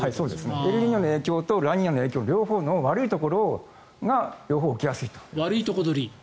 エルニーニョの影響とラニーニャの影響の悪いところが悪いところ取り。